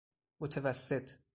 متوسط